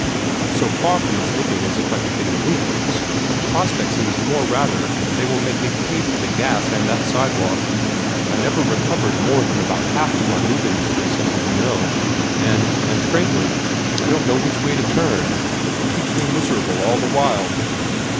But so far from its looking as if I could get an increase, the prospect seems rather that they will make me pay for the gas and that sidewalk. I never recovered more than about half of my moving expenses, as you know, and and, frankly, I don't know which way to turn. It keeps me miserable all the while."